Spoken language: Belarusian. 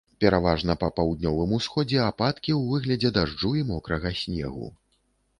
Пераважна па паўднёвым усходзе ападкі ў выглядзе дажджу і мокрага снегу.